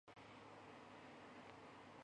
国木田花丸